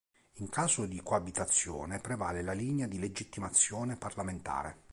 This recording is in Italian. In caso di coabitazione prevale la linea di legittimazione parlamentare.